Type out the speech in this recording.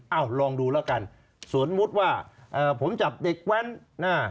ลองดูแล้วกันสมมุติว่าเอ่อผมจับเด็กแว้นหน้า